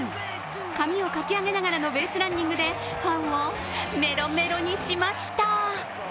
髪をかき上げながらのベースランニングでファンをメロメロにしました。